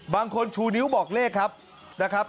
บางคนชูนิ้วบอกเลขครับ